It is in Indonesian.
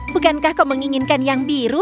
bukankah kau menginginkan yang biru